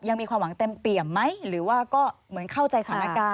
ยังมีความหวังเต็มเปี่ยมไหมหรือว่าก็เหมือนเข้าใจสถานการณ์